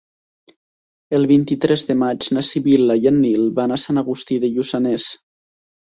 El vint-i-tres de maig na Sibil·la i en Nil van a Sant Agustí de Lluçanès.